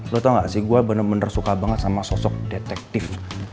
lo tau gak sih gue bener bener suka banget sama sosok detektif